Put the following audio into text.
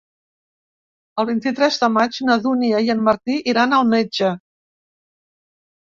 El vint-i-tres de maig na Dúnia i en Martí iran al metge.